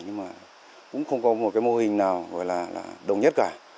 nhưng mà cũng không có một cái mô hình nào gọi là đồng nhất cả